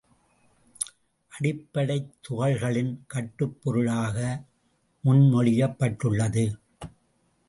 அடிப்படைத் துகள்களின் கட்டுப் பொருளாக முன்மொழியப்பட்டுள்ளது.